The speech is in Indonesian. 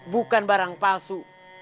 bukan barang palsu